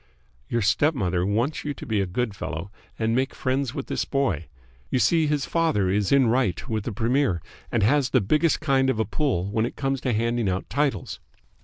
"Your stepmother wants you to be a good fellow and make friends with this boy. You see, his father is in right with the Premier and has the biggest kind of a pull when it comes to handing out titles."